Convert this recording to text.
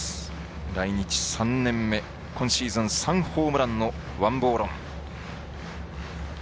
来日３年目今シーズン３ホームランの王柏融。